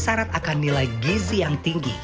syarat akan nilai gizi yang tinggi